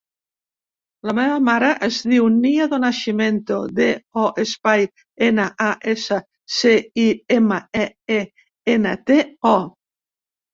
La meva mare es diu Nia Do Nascimento: de, o, espai, ena, a, essa, ce, i, ema, e, ena, te, o.